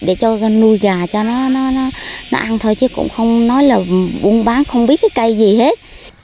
để cho nuôi gà cho nó ăn thôi chứ cũng không nói là buôn bán không biết cái cây gì hết